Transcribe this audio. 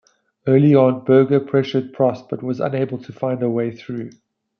Early on, Berger pressured Prost but was unable find a way through.